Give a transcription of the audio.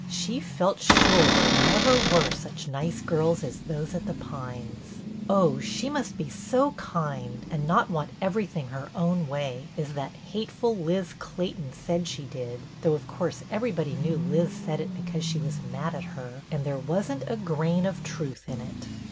She felt sure there never were such nice girls as those at The Pines. Oh, she must be so kind, and not want everything her own way, as that hate ful Liz Clayton said she did ; though, of course, everybody knew Liz said it because she was mad at her, and there was n't a grain of truth in it.